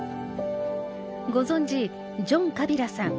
ご存じジョン・カビラさん